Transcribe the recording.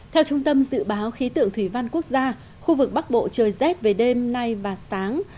theo trung tâm dự báo khí tượng thủy văn quốc gia khu vực bắc bộ trời rét về đêm nay và sáng